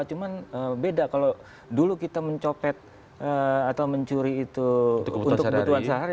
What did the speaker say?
cuma beda kalau dulu kita mencopet atau mencuri itu untuk kebutuhan sehari